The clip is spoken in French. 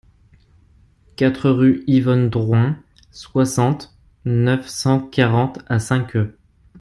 quatre rue Yvonne Drouin, soixante, neuf cent quarante à Cinqueux